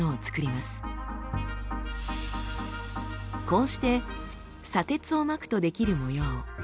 こうして砂鉄をまくと出来る模様